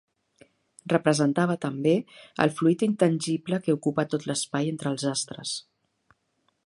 Representava també el fluid intangible que ocupa tot l'espai entre els astres.